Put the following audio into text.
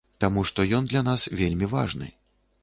Таму што ён для нас вельмі важны.